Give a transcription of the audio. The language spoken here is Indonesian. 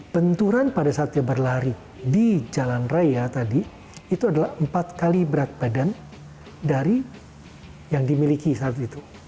benturan pada saat dia berlari di jalan raya tadi itu adalah empat kali berat badan dari yang dimiliki saat itu